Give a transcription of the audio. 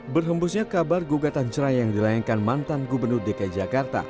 berhembusnya kabar gugatan cerai yang dilayangkan mantan gubernur dki jakarta